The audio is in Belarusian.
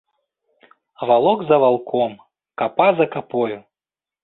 Валок за валком, капа за капою.